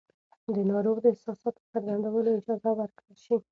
د ناروغ د احساساتو څرګندولو اجازه ورکړل شي.